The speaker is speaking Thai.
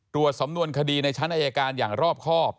สำนวนคดีในชั้นอายการอย่างรอบครอบ